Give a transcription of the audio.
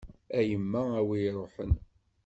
A yemma a wi iṛuḥen.